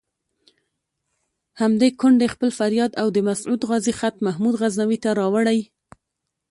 همدې کونډې خپل فریاد او د مسعود غازي خط محمود غزنوي ته راوړی.